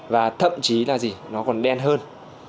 và thậm chí là gì nó còn đen hơn